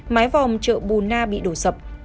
mái vòm chợ bù na bị đổ sập